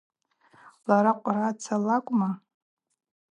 Лара Кӏвраца лакӏвма?